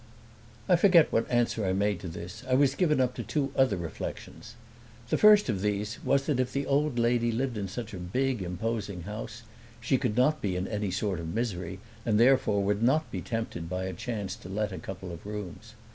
I forget what answer I made to this I was given up to two other reflections. The first of these was that if the old lady lived in such a big, imposing house she could not be in any sort of misery and therefore would not be tempted by a chance to let a couple of rooms.